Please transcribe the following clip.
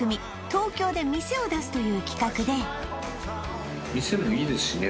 東京で店を出すという企画でですしね